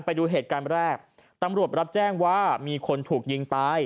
ไปดูเหตุการณ์แรกตำรวจรับแจ้งว่ามีคนถูกยิงตาย